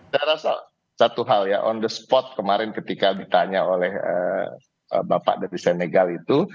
saya rasa satu hal ya on the spot kemarin ketika ditanya oleh bapak dari senegal itu